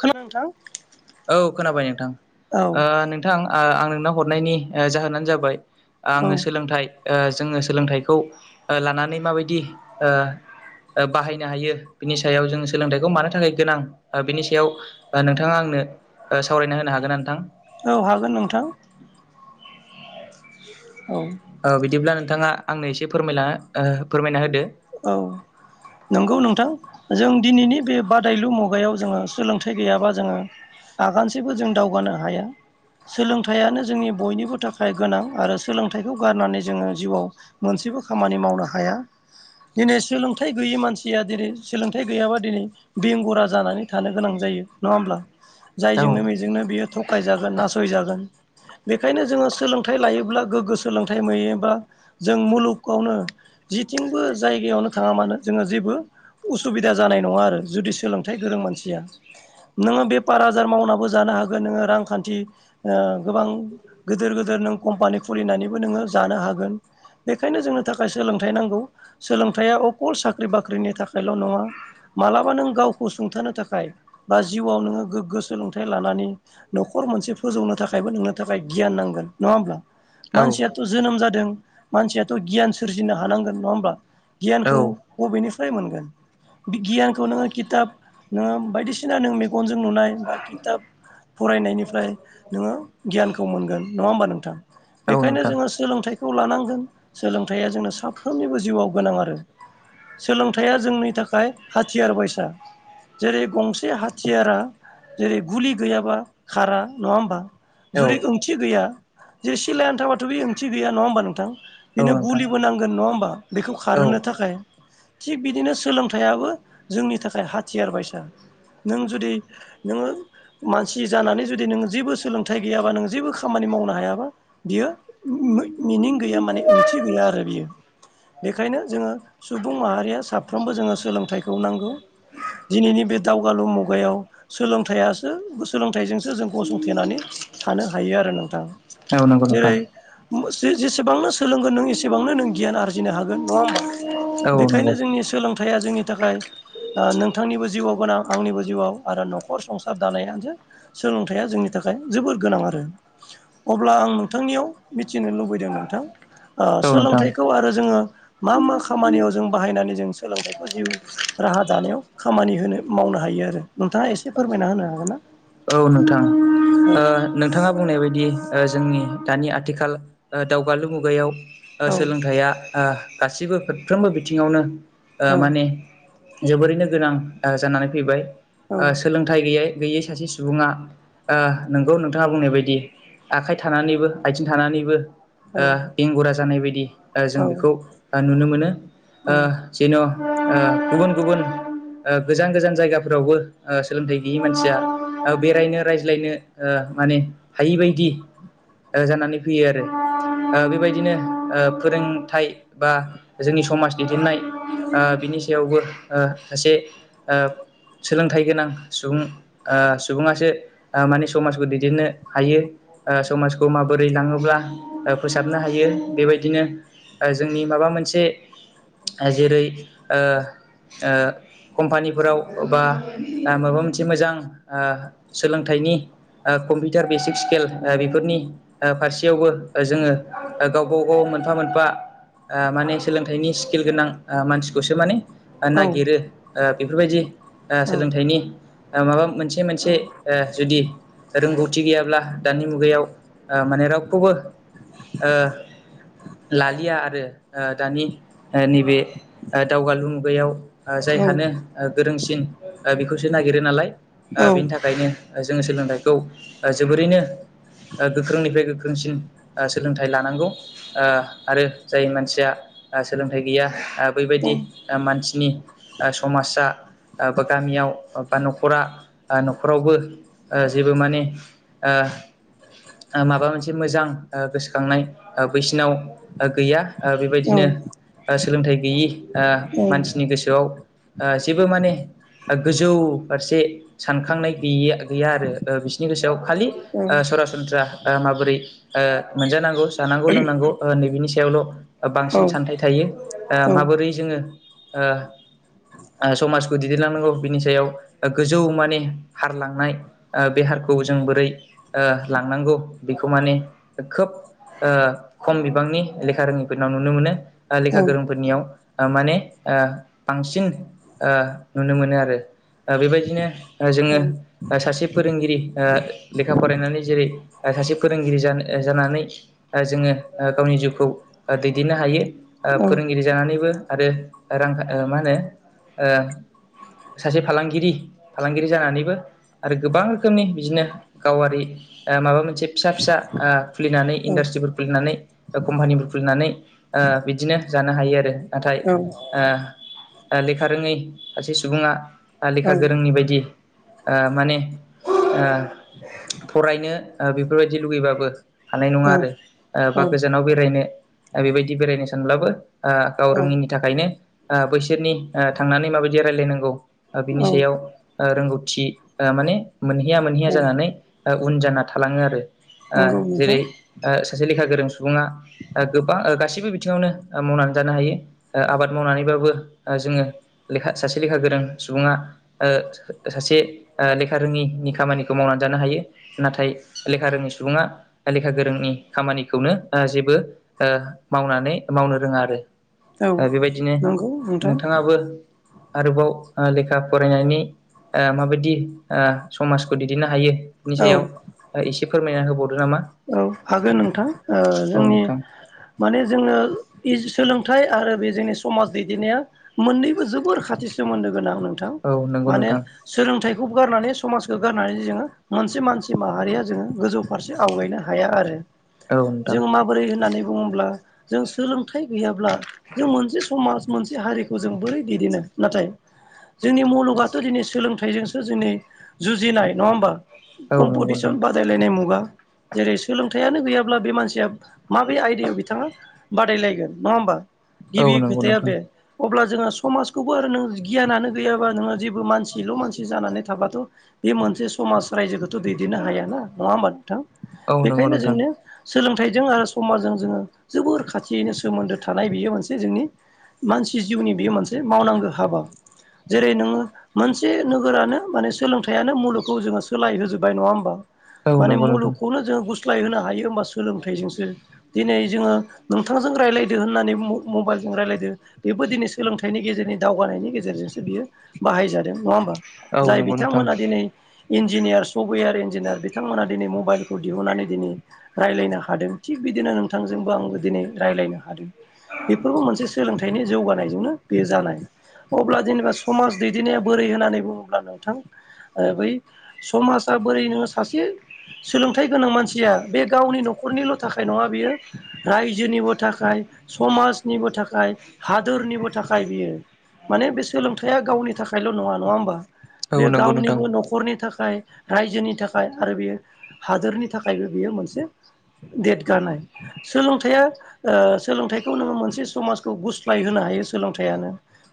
खोनादों नोंथां औ खोनाबाय नोंथां औ ओ नोंथां आं नोंनाव हरनायनि जाहोनानो जाबाय औ आङो सोलोंथाइ ओ जोङो सोलोंथाइखौ ओ लानानै माबायदि ओ ओ बाहायनो हायो बिनि सायाव जों सोलोंथाइखौ मानो थाखाय गोनां बिनि सायाव नोंथाङा आंनो ओ सावरायना होनो हागोन ना नोंथां औ हागोन नोंथां औ ओ बिदिब्ला नोंथाङा आंनो एसे फोरमायला ओ फोरमायना होदो औ नंगौ नोंथां जों दिनैनि बे बादायलु मुगायाव जोङो सोलोंथाइ गैयाबा जोङो आगानसेबो जों दावगानो हाया सोलोंथाइयानो जोंनि बयनिबो थाखाय गोनां आरो सोलोंथाइखौ गारनानै जोङो जिउआव मोनसे बो खामानि मावनो हाया [inaudible] दिनै सोलोंथाइ गैयि मानसिया दिनै सोलोंथाइ गैयाबा दिनै बेंगुरा जानानै थानो गोनां जायो नङा होमब्ला औ जायजोंनो बेजोंनो बियो थगायजागोन नासयजागोन बेखायनो जोङो सोलोंथाइ लायोब्ला गोगो सोलोंथाइ नुयोबा जों मुलुगावनो जिथिंबो जायगायावनो थाङामानो जोङो जेबो उसुबिदा जानाय नङा आरो जुदि सोलोंथाइ गोरों मानसिया नोङो बेफार आजार मावनाबो जानो हागोन नोङो रांखान्थि ओ गोबां गोदोर गोदोर कममपानि खुलिनानैबो नोङो जानो हागोन बेखायनो जोंनो थाखाय सोलों सोलोंथाय नांगौ सोलोंथाइया अकल साख्रि बाख्रिनि थाखायल' नङा मालाबा नों गावखौ सुंथानो थाखाय बा जिउआव नोङो गोगो सोलोंथाइ लानानै नखर मोनसे फोजौनो थाखायबो नोंनो थाखाय गियान नांगोन नङा होमब्ला औ मानसियाथ' जोनोम जादों मानसियाथ' गियान सोरजि जिनो हानांगोन नङा होमब्ला औ गियानखौ अबेनिफ्राय मोनगोन बिगियानखौ नोङो खिथाब नोङो बायदिसिना नों मेगनजों नुनाय बा खिथाब फरायनायनिफ्राय नोङो गियानखौ मोनगोन नङा होमबा नोंथां? औ बेखायनो नोंथां जोङो सोलोंथाइ खौ लानांगोन। सोलोंथाइया जोंनो साफ्रोमनिबो जिउआव गोनां आरो सोलोंथाइया जोंनि थाखाय हाथियार बायसा। जेरै गंसे हाथियारा जेरै- गुलि गैयाबा खारा नङा होमबा? औ जुदि ओंथि गैया जे सिलाय आनथाबाथ' बे ओंथि गैया नङा होमबा नोंथां? औ बेनो नोंथां गुलि नांगोन नङा होमबा बेखौ औ खारहोनो थाखाय। थिग बिदिनो सोलोंथाइयाबो जोंनि थाखाय हाथियार बायसा। नों जुदि नोङो मानसि जानानै जुदि नों जेबो सोलोंथाइ गैयाबा नों जेबो खामानि मावनो हायाबा बियो मिनिं गैया माने ओंथि गैया आरो बेयो। बेखायनो जोङो सुबुं माहारिया साफ्रोमबो जोङो सोलोंथाइखौ नांगौ। दिनैनि बे दावगालु मुगायाव सोलोंथाइयासो-सोलोंथाइजोंसो जों गसंथेनानै थानो हायो आरो नोंथां। औ नंगौ जेरै नोंथां। जेसेबांनो सोलोंगोन नों एसेबांनो नों गियान आरजिनो हागोन नङा होमबा? औ नंगौ बेखायनो जोंनि सोलोंथाइया जोंनि थाखाय नोंथांनिबो जिउआव गोनां आंनिबो जिउआव आरो न'खर संसार दानायानो सोलोंथाइया जोंनि थाखाय जोबोर गोनां आरो। अब्ला आं नोंथांनियाव मिथिनो लुबैदों नोंथां ओ औ नोंथां सोलोंथाइखौ आरो जोङो मा मा खामानियाव जों बाहायनानै जों सोलोंथाइखौ जिउ राहा दानायाव खामानि होनो मावनो हायो आरो नोंथाङा एसे फोरमायना होनो हागोन ना? अ नोंथां औ ओ नोंथाङा बुंनाय बायदि जोंनि दानि आथिखाल दावगालु मुगायाव औ सोलोंथाइया ओ गासिबो फारफ्रोमबो बिथिङावनो माने जोबोरैनो गोनां जानानै फैबाय। औ ओ सोलोंथाइ गैयै गैयै सासे सु सुबुङा नोंगौ नोंथाङा बुंनाय बायदि आखाइ थानानैबो, आथिं थानानैबो औ ओ बेंगुरा जानाय बायदि जों औ बेखौ नुनो मोनो। ओ जेन' ओ गुबुन गुबुन ओ गोजान गोजान जायगाफोरावबो सोलोंथाइ गैयि मानसिया ओ बेरायनो रायज्लायनो ओ माने हायिबायदि ओ जानानै फैयो आरो। बे बायदिनो फोरोंथाइ बा जोंनि समाज दैदेननाय ओ बिनि सायावबो ओ सासे ओ सोलोंथाइ गोनां सुबुं ओ सु सुबुङासो माने समाजखौ दैदेननो हायो। ओ समाजखौ माबोरै लाङोब्ला फोसाबनो हायो। बे बायदिनो जोंनि माबा मोनसे जेरै- ओ ओ कम्पानिफोराव बा ना माबा मोनसे मोजां ओ सोलोंथाइनि ओ कम्पिउटार बेसिक स्केल बेफोरनि ओ फारसेयावबो जोङो गाव गाव गाव मोनफा मोनफा माने सोलोंथाइनि स्किल गोनां मानसिखौसो माने ओ नागिरो बेफोरबायदि ओ सोलोंथाइनि ओ माबा मोनसे मोनसे ओ जुदि रोंगौथि गैयाब्ला दानि मुगायाव ओ माने रावखौबो ओ लालिया आरो दानि नैबे ओ दावगालु मुगायाव ओ जायहानो गोरोंसिन बेखौसो नागिरो नालाय। ओ बिनि थाखायनो जोङो सोलोंथाइखौ जोबोरैनो ओ गोख्रोंनिफ्राय गोख्रोंसिन सोलोंथाइ लानांगौ ओ आरो जाय मानसिया ओ सोलोंथाइ गैया ओ बै औ बायदि मानसिनि समाजा ओ बा गामियाव बा न'खरा-न'खरावबो जेबो माने ओ माबा मोनसे मोजां ओ गोसोखांनाय बैसिनाव गैया बेबायदिनो ओ सोलोंथाइगैयि ओ मानसिनि गोसोआव ओ जेबो माने गोजौ फारसे सानखांनाय गै गैया आरो बिसोरनि गोसोआव खालि सरासनस्रा माबोरै ओ मोनजानांगौ जानांगौ लोंनांगौ ओ नै बिनि सायावल' बांसिन सानथायाइ थायो ओ माबोरै जोङो ओ समाजखौ दैदेनलांनांगौ बिनि सायाव गोजौ माने हार लांनाय ओ बे हारखौ जों बोरै ओ लांनांगौ बेखौ माने खोब ओ खम बिबांनि लेखा रोङिफोरनाव नुनो मोनो लेखा औ गोरोंफोरनियाव ओ माने ओ बांसिन ओ नुनो मोनो आरो दा बेबायदिनो औ जोङो सासे फोरोंगिरि ओ लेखा फरायनानै जेरै सासे फोरोंगिरि जानो जानानै जोङो गावनि जिउखौ दैदेननो हायो औ फोरोंगिरि जानानैबो आरो रां माहोनो ओ सासे फालांगिरि फालांगिरि जानानैबो आरो गोबां रोखोमनि बिदिनो गावारि ओ माबा मोनसे फिसा फिसा ओ खुलिनानै औ इन्डास्ट्रिफोर खुलिनानै कम्पानिफोर खुलिनानै ओ बिदिनो जानो हायो आरो नाथाय ओ ओ लेखा रोङै सासे सुबुङा लेखा गोरोंनि बायदि दि ओ माने फरायनो ओ बेफोरबायदि लुगैबाबो हानाय औ नङा आरो बा गोजानाव बेरायनो बेबायदि बेरायनो सानब्लाबो ओ औ गाव रोङिनि थाखायनो ओ बैसोरनि ओ थांनानै माबायदि रायलायनांगौ। ओ औ बिनि सायाव ओ रोंगौथि ओ माने मोनहैया औ मोनहैया जानानै उन जाना थालाङो आरो। ओ नंगौ जेरै नोंथां ओ सासे लेखा गोरों। सुबुङा ओ गोबां गासैबो ओ बिथिङावनो मावनानै जानो हायो। ओ आबाद मावनानैबाबो जोङो लेखा सासे लेखा गोरों सुबुङा ओ सासे ओ लेखा रोङिनि खामानिखौ मावनानै जानो हायो नाथाय लेखा रोङि सुबुङा लेखा गोरोंनि खामानिखौनो जेबो ओ मावनानै मावनो रोङा आरो औ ओ बेबायदिनो नंगौ नोंथां नोंथाङाबो आरोबाव ओ लेखा फरायनायनि ओ माबायदि ओ समाजखौ दैदेननो हायो। नि औ सायाव एसे फोरमायना होबाव। औ हागोन नोंथां ओ औ जोंनि नोंथां माने जोङो सोलों नाथाय आरो बे जोंनि समाज दैदेननाया मोननैबो जोबोर खाथि सोमोन्दो गोनां नों थां औ नंगौ मानो नोंथां सोंलोंथायखौ गारनानै समाजखौ गारनानै जोङो मोनसे मानसि माहारिया जोङो गोजौ फारसे आवगायनो हाया आरो औ नोंथां जों माबोरै होननानै बुङोब्ला जों सोलोंथाइ गैयाब्ला जों मोनसे समाज मोनसे हारिखौ जों बोरै दैदेनो नाथाय जोंनि मुलुगाथ' दिनै सोलोंथाइजोंसो जोंनि जुजिनाय नङा होमबा। औ नंगौ नोंथां कम्पिटिसन बादायलायनाय मुगा जेरै सोलोंथायाइयानो गैयाब्ला बे मानसिया माबे आयदायाव बिथाङा बादायलायगोन नङा होमबा। औ गिबि नंगौ खोथाया नोंथां बे अब्ला जोङो समाजखौबो आरो गियानानो गैयाबा नोङो जेबो मानसिल' मानसि जानानै थाबाथ' बे मोन। मोनसे समाज रायजोखौथ' दैदेननो हाया ना नङा होमबा नोंथां औ नंगौ बेनिखायनो नोंथां जोंनो सोलोंथाइजों आरो समाजजों जोङो जोबोर खाथियैनो सोमोन्दो थानाय बियो मोनसे जोंनि मानसि जिउनि बेयो मोनसे मावनांगौ हाबा। जेरै नोङो मोनसे नोगोरानो माने सोलोंथाइयानो मुलुगखौ जोङो सोलाय होजोबबाय नङा होमबा। औ माने नंगौ नोंथां। मुलुगखौनो जोङो गुस्लाय होनो हायो हबा सोलोंथाइजोंसो दिनै जोङो नोंथांजों रायज्लायदो होननानै। मबाइलजों रायज्लायदो बेबो दिनै सोलोंथाइनि गेजेरनि दावगानायनि गेजेरजोंसो बियो बाहायजादों नङा होमबा। औ जाय नंगौ नोंथां बिथांमोना दिनै इन्जिनियार सफवयार इन्जिनियार बिथांमोना दिनै मबाइ। मबाइलखौ दिहुननानै दिनै रायज्लायनो हादों थिग बिदिनो नोंथांजोंबो आंबो दिनै रायज्लायनो हादों। बेफोरबो मोनसे सोलोंथाइनि जौगानायजोंनो बेयो जानाय। अब्ला जेनेबा समाज दैदेननाया बोरै होननानै बुङोब्ला नोंथां ओ बै समाजा। बोरै नो सासे सोलोंथाय गोनां मानसिया बे गावनि नख'रनिल'। थाखाय नङा बियो रायजोनिबो थाखाय समाजनिबो थाखाय हादोरनिबो थाखाय। थाखाय बियो माने बे सोलोंथाइया गावनि थाखायल' नङा नङा होमबा। औ बे नंगौ नोंथां गावनिबो न'खरनि थाखाय रायजोनि थाखाय आरो बेयो। हादोरनि थाखायबो बियो मोनसे। देरगानाय सोलोंथाइया ओ सोलोंथाइखौ नोङो मोनसे समाजखौ गुस्लाय होनाय। हायो सोलोंथाइानो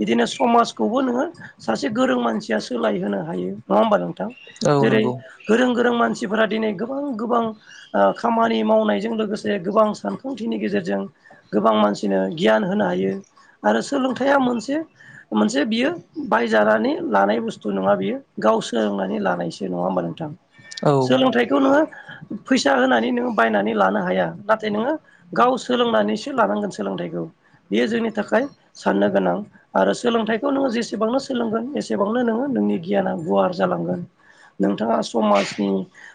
बिदिनो समाजखौबो नोङो सासे गोरों मानसिया सोलायहोनो हायो। नङा होमबा नोंथां औ नंगौ नोंथां औ जेरै नंगौ गोरों गोरों मानसिफोरा दिनै। गोबां गोबां ओ खामानि मावनायजों लोगोसे गोबां सानखांथिनि गेजेरजों। जों गोबां मानसिनो गियान होनो हायो। आरो सोलोंथाइया मोनसे मोनसे बियो बायजानानै लानाय बुस्थु नङा बियो गाव गाव सोलोंनानै लानायसो नङा होनबा नोंथां औ सोलोंथाइ नोंगो फैसा होनानै नोङो बायनानै लानो हाया नाथाय नोंगो गाव सोलोंनानैसो लानांगोन सोलोंथायखौ बेयो जोंनि थाखाय [unintelligible] नोंनि गियाना गुवार जालांगोन नोंथांगा समाजनि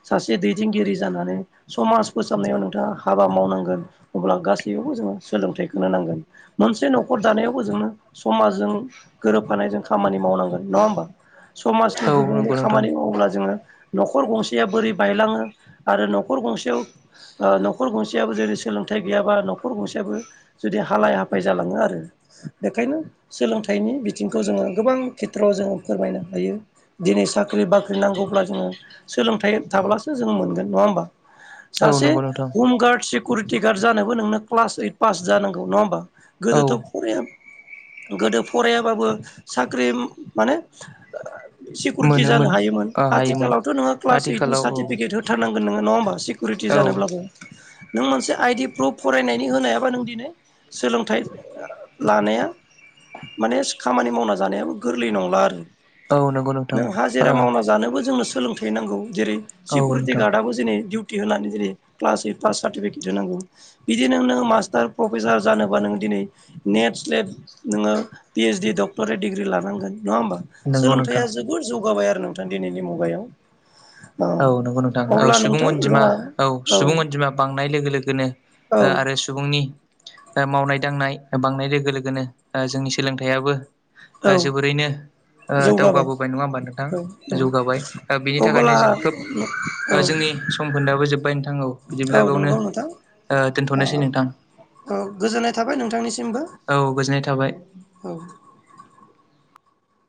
सासे दैदेनगिरि [unintelligible] सोलोंथाइखोनो नांगोन मोनसे न'खर दानायावबो जोंनो समाजजों गोरोबफानायजों खामानि मावनांगोन। नङा होमबा समाजनि औ गुबुंले नंगौ नोंथां खामानि मावब्ला जोङो न' गंसेया बोरै बायलाङो आरो न'खर गंसेयाव ओ नख'र गंसेयाबो जुदि सोलोंथाइ गैयाबा नख'र गंसेयाबो जुदि हालाय हाफाय जालाङो आरो बेखायनो सोलोंथाइनि बिथिंखौ जोङो गोबां खेथ्रआव जोङो फोरमायनो हायो दिनै साख्रि बाख्रि नांगौब्ला जोङो सोलोंथाइ थाब्लासो जों मोनगोन नङा होमबा औ सासे नंगौ नोंथां हमगारदसिब सिकुरिटि गार्ड जानोबो नोंनो क्लास ओइट पास जानांगौ नङा होमबा औ गोदोथ' फराय गोदो फरायाबाबो साख्रि माने सिकिउरिटि जानो मोनोमोन हायोमोन ओ हायोमोन आथिखालावथ' नोङो क्लास ओइट आथिखालाव औ सार्टिफिकेट होथारनांगोन नोङो नङा होमबा सिकुरिटि औ जानोब्लाबो नों मोनसे आइडि [unintelligible] माने खामानि मावनाय जानायाबो गोरलै नंला आरो औ नंगौ नोंथां नों ओ हाजिरा मावना जानोबो जोंनो सोलोंथाइ नांगौ जेरै औ सिकिउरिटि नोंथां गार्डआबो जेरै जेरै क्लास ओइद दिनै नेट स्लेट नोङो पि ओस डि डक्टरेट डिग्रि लानांगोन। नङा होमबा नंगौ नोंथां सोलोंथाइआ जोबोर जौगाबाय आरो नोंथां दिनैनि मुगायाव औ नंगौ नोंथां औ अब्ला सुबुं नोंथां अनजिमा जोंहा औ सुबुं अनजिमा बांनाय लोगो लोगोनो औ ओ आरो सुबुंनि मावनाय दांनाय बांनाय लोगो लोगोनो ओ जोंनि सोलोंथाइयाबो औ ओ जोबोरैनो ओ जौगाबाय दावगाबोबाय नङा होमबा औ नोंथाङा औ जौगाबाय बिनि थाखायनो अब्ला जों खोब औ ओ जोंनि समफोनदाबो जोब्बाय नोंथां औ औ बिदिब्ला बेयावनो नंगौ नोंथां दोन्थ'नोसै नोंथां औ गोजोननाय थाबाय नोंथांनिसिमबो औ गोजोननाय थाबाय औ‌